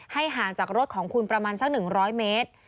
ห่างจากรถของคุณประมาณสัก๑๐๐เมตร